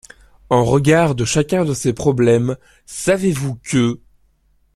En regard de chacun de ces problèmes, savez-vous que: